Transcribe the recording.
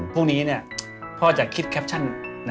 พรุ่งนี้พ่อจะคิดแคปชั่น